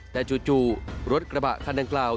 แต่จู่รถกระบะคันดังกล่าว